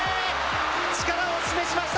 力を示しました